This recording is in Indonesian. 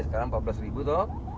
sekarang rp empat belas tuh